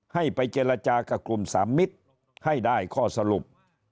ให้ไปเจรจากับกลุ่มสามมิตรให้ได้ข้อสรุป